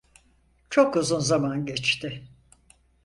Çok uzun zaman geçti.